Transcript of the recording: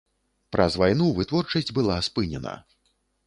Праз вайну вытворчасць была спынена.